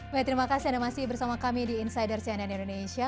baik terima kasih anda masih bersama kami di insider cnn indonesia